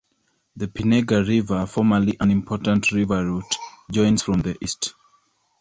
The Pinega River, formerly an important river route, joins from the east.